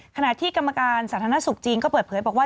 ขณะที่กรรมการสาธารณสุขจีนก็เปิดเผยบอกว่า